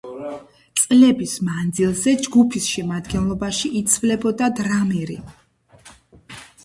წლების მანძილზე ჯგუფის შემადგენლობაში იცვლებოდა დრამერი.